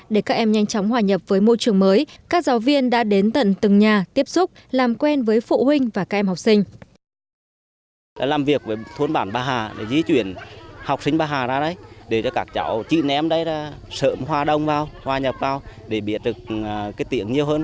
để các em nhanh chóng hòa nhập với môi trường mới các giáo viên đã đến tận từng nhà tiếp xúc làm quen với phụ huynh và các em học sinh